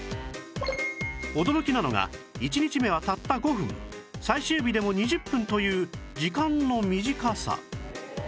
驚きなのが１日目はたった５分最終日でも２０分という時間の短さ